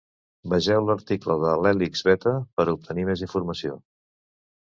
Vegeu l’article de l’hèlix beta per a obtenir més informació.